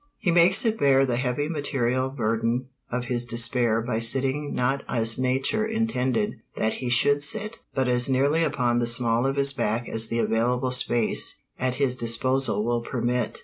He makes it bear the heavy material burden of his despair by sitting not as Nature intended that he should sit, but as nearly upon the small of his back as the available space at his disposal will permit.